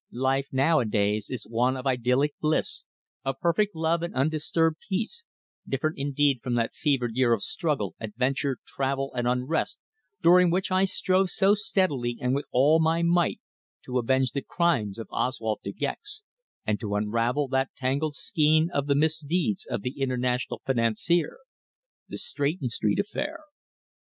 Life nowadays is one of idyllic bliss, of perfect love and undisturbed peace, different indeed from that fevered year of struggle, adventure, travel and unrest during which I strove so steadily and with all my might to avenge the crimes of Oswald De Gex, and to unravel that tangled skein of the misdeeds of the international financier the Stretton Street Affair.